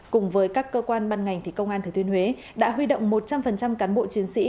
cùng với các cơ quan ban ngành thì công an thừa thiên huế đã huy động một trăm linh cán bộ chiến sĩ